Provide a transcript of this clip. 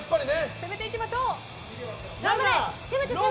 攻めていきましょう！